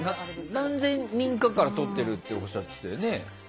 何千人かからとってるっておっしゃってたよね。